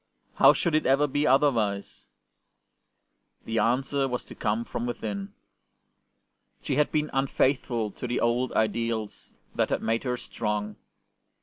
How should it ever be otherwise ? The answer was to come from within. She had been unfaithful to the old ideals that had made her strong.